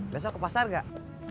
besok ke pasar gak